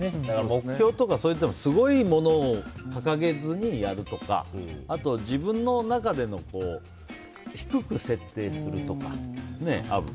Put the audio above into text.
目標とか、そういうのはすごいものを掲げずにやるとかあとは自分の中での低く設定するとかね、アブ。